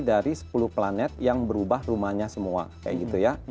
dari sepuluh planet yang berubah rumahnya semua kayak gitu ya